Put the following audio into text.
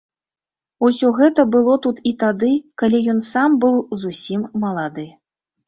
Усё гэта было тут і тады, калі ён сам быў зусім малады.